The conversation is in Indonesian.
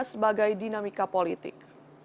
sebagai dinamika politik